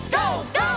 ＧＯ！